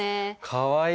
かわいい！